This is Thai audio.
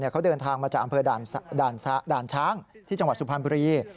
เขาเดินทางมาจากอำเภอด่านช้างที่จังหวัดสุพรรณบุรี